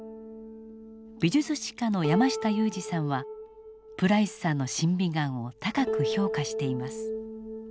美術史家の山下裕二さんはプライスさんの審美眼を高く評価しています。